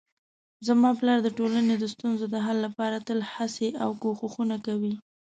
زما پلار د ټولنې د ستونزو د حل لپاره تل هڅې او کوښښونه کوي